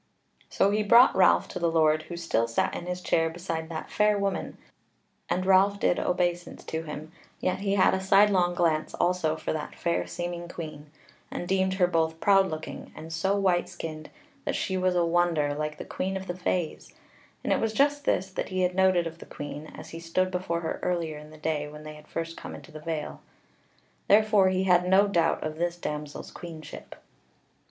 So he brought Ralph to the Lord, who still sat in his chair beside that fair woman, and Ralph did obeysance to him; yet he had a sidelong glance also for that fair seeming queen, and deemed her both proud looking, and so white skinned, that she was a wonder, like the queen of the fays: and it was just this that he had noted of the Queen as he stood before her earlier in the day when they first came into the vale; therefore he had no doubt of this damsel's queenship.